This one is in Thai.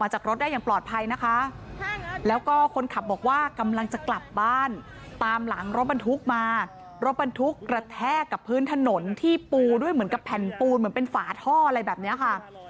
เหมือนที่ปูด้วยเหมือนกับแผ่นปูนเหมือนเป็นฝาท่ออะไรแบบนี้ค่ะ